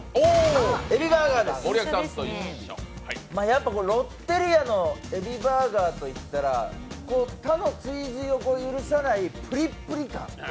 やっぱロッテリアのエビバーガーといったら他の追随を許さないプリップリ感。